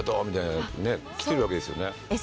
みたいなね来てるわけですよね？